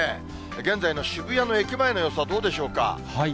現在の渋谷の駅前の様子はどうでしょうか。